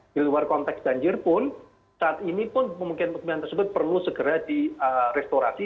di luar konteks banjir pun saat ini pun pemukiman pemukiman tersebut perlu segera di restorasi